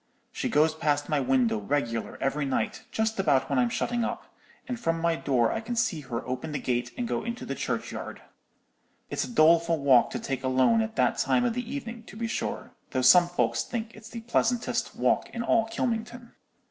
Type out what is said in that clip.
She goes past my window regular every night, just about when I'm shutting up, and from my door I can see her open the gate and go into the churchyard. It's a doleful walk to take alone at that time of the evening, to be sure, though some folks think it's the pleasantest walk in all Kylmington.'